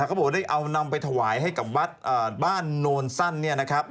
เขาบอกว่าได้เอานำไปถวายให้กับวัดบ้านโน่นสั้น